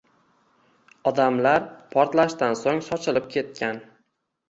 Odamlar portlashdan so’ng sochilib ketgan